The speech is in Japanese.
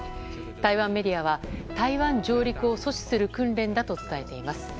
台湾メディアは台湾上陸を阻止する訓練だと伝えています。